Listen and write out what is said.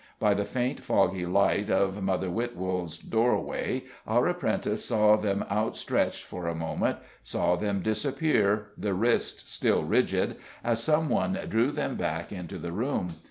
By the faint foggy light of Mother Witwold's doorway our apprentice saw them out stretched for a moment; saw them disappear, the wrists still rigid, as some one drew them back into the room.